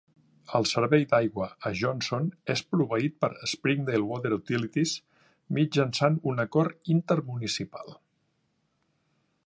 El servei d'aigua a Johnson és proveït per Springdale Water Utilities mitjançant un acord intermunicipal.